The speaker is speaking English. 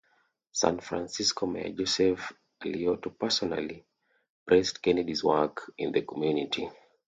San Francisco Mayor Joseph Alioto personally praised Kennedy's work in the community.